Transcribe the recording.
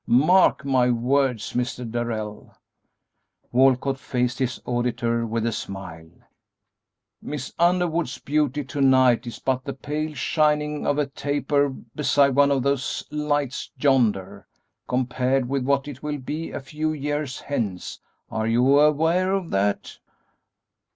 Mark my words, Mr. Darrell," Walcott faced his auditor with a smile, "Miss Underwood's beauty to night is but the pale shining of a taper beside one of those lights yonder, compared with what it will be a few years hence; are you aware of that?"